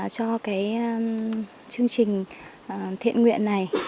cho cái chương trình thiện nguyện này